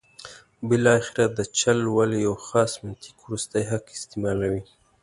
بالاخره د چل ول یو خاص منطق وروستی حق استعمالوي.